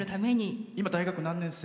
今、大学何年生？